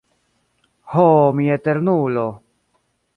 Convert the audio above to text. Ho mia Eternulo!